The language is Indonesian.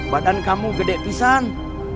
badan kamu gede pisang